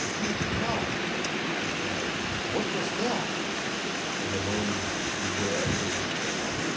^^Good God!" I cried. ^'What was that!" In a moment we were at the window.